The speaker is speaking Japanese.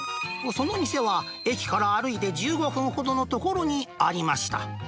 その店は駅から歩いて１５分ほどの所にありました。